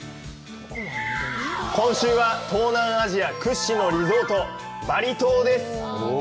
今週は、東南アジア屈指のリゾート、バリ島です。